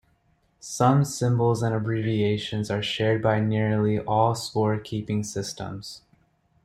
Some symbols and abbreviations are shared by nearly all scorekeeping systems.